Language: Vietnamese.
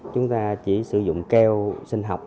chúng ta chỉ sử dụng keo sinh học